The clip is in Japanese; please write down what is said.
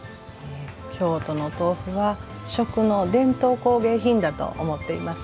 京都の豆腐は「食の伝統工芸品」だと思っています。